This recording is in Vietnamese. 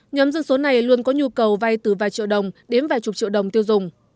nhóm dân số này luôn có nhu cầu vay từ vài triệu đồng đến vài chục triệu đồng tiêu dùng